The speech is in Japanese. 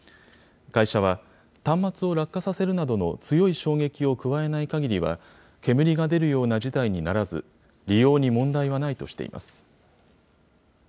会社は端末を落下させるなどの強い衝撃を加えないかぎりは煙が出るような事態にならず、利用に問題はないとしています。